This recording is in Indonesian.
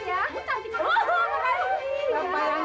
bapak yang ganteng